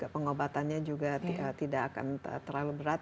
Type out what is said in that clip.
pengobatannya juga tidak akan terlalu berat